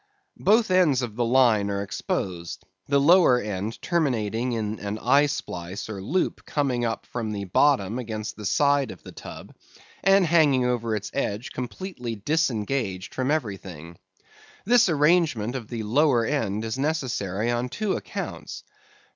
Both ends of the line are exposed; the lower end terminating in an eye splice or loop coming up from the bottom against the side of the tub, and hanging over its edge completely disengaged from everything. This arrangement of the lower end is necessary on two accounts.